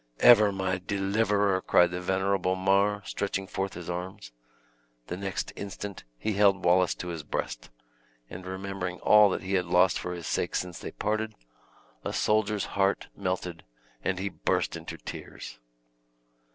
"Ever my deliverer!" cried the venerable Mar, stretching forth his arms. The next instant he held Wallace to his breast; and remembering all that he had lost for his sake since they parted, a soldier's heart melted, and he burst into tears.